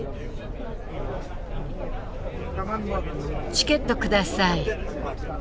チケット下さい。